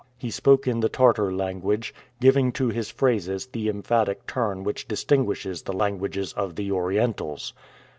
He spoke in the Tartar language, giving to his phrases the emphatic turn which distinguishes the languages of the Orientals.